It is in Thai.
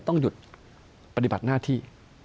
ต้องหยุดปฏิบัติหน้าที่